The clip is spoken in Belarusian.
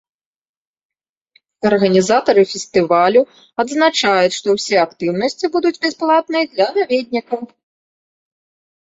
Арганізатары фестывалю адзначаюць, што ўсе актыўнасці будуць бясплатныя для наведнікаў.